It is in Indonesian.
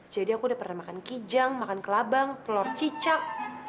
jadi aku udah pernah makan kijang makan kelabang telur cicak